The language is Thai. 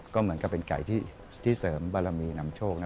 ก็เหมือนกับเป็นไก่ที่เสริมบารมีนำโชคนะ